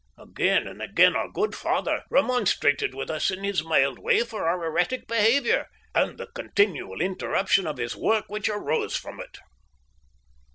Again and again our good father remonstrated with us in his mild way for our erratic behaviour and the continual interruption of his work which arose from it.